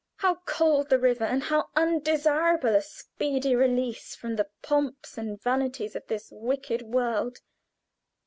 How cold the river, and how undesirable a speedy release from the pomps and vanities of this wicked world!